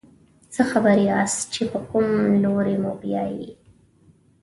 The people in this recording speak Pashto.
څه خبر یاست چې په کوم لوري موبیايي.